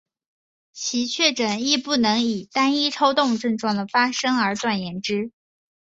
其确诊亦不能以单一抽动症状的发生而断言之。